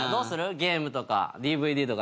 ゲームとかＤＶＤとか色々。